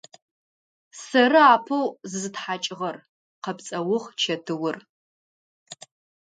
Сэры апэу зызытхьакӏыгъэр! – къэпцӏэугъ Чэтыур.